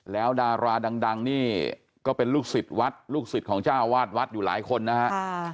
แล้วดาราดังนี่ก็เป็นลูกศิษย์วัดลูกศิษย์ของเจ้าวาดวัดอยู่หลายคนนะฮะ